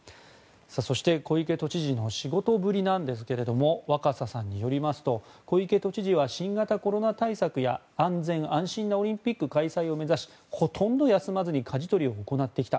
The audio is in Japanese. そして、小池都知事の仕事ぶりなんですが若狭さんによりますと小池知事は新型コロナ対策や安全・安心なオリンピック開催を目指しほとんど休まずかじ取りを行ってきた。